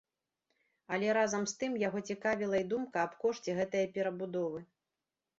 Але разам з тым яго цікавіла і думка аб кошце гэтае перабудовы.